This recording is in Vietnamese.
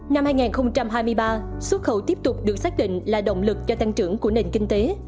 năm hai nghìn hai mươi ba xuất khẩu tiếp tục được xác định là động lực cho tăng trưởng của nền kinh tế